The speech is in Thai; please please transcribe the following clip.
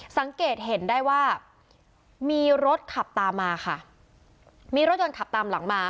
สังเกตเห็นได้ว่ามีรถขับตามมาค่ะมีรถยนต์ขับตามหลังมา